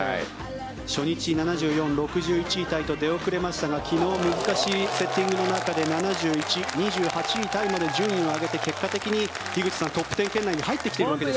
初日７４、６１位タイと出遅れましたが昨日、難しいセッティングの中で７１、２８位タイまで順位を上げて結果的にトップ１０圏内まで入ってきましたね。